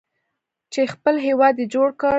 چې خپل هیواد یې جوړ کړ.